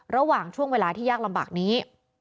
ระหว่างช่วงเวลาที่ยากลำบากนี้